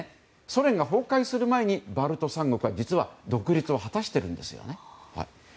ソ連が崩壊する前にバルト三国は実は独立を果たしてるんです。